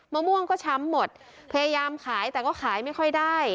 มะม่วงก็ช้ำหมดพยายามขายแต่ก็ขายไม่ค่อยได้